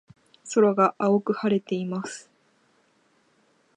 空が青く晴れています。